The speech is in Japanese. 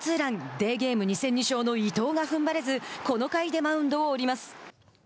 デーゲーム２戦２勝の伊藤がふんばれずこの回でマウンドを降ります。